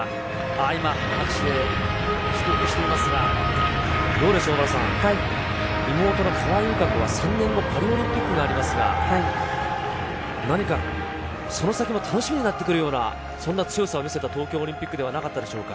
ああ、今、拍手で祝福していますが、どうでしょう、小原さん、妹の川井友香子は３年後、パリオリンピックがありますが、何かその先も楽しみになってくるような、そんな強さを見せた東京オリンピックではなかったでしょうか。